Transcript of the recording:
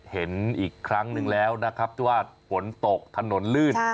เห็นอีกครั้งหนึ่งแล้วนะครับที่ว่าฝนตกถนนลื่น